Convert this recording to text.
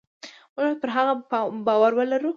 موږ باید پر هغه باور ولرو.